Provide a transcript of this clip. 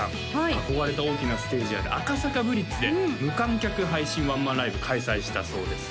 憧れた大きなステージである赤坂ＢＬＩＴＺで無観客配信ワンマンライブ開催したそうですよ